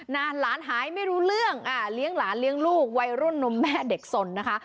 หลานหายไม่รู้เรื่องเลี้ยงหลานเลี้ยงลูกวัยรุ่นนมแม่เด็กสนนะคะ